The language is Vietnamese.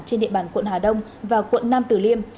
trên địa bàn quận hà đông và quận nam tử liêm